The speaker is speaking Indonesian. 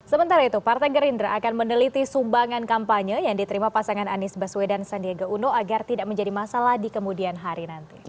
sementara itu partai gerindra akan meneliti sumbangan kampanye yang diterima pasangan anies baswedan sandiaga uno agar tidak menjadi masalah di kemudian hari nanti